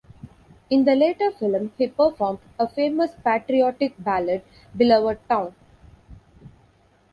In the later film, he performed a famous patriotic ballad "Beloved Town".